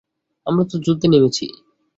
আমরা তো যুদ্ধে নেমেছি।